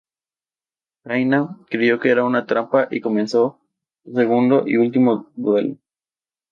Jaina, creyó que era una trampa y comenzó su segundo y último duelo.